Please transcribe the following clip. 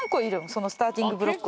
そのスターティングブロックは。